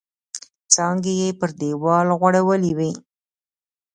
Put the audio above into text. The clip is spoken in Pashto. څانګې یې پر دیوال غوړولي وې.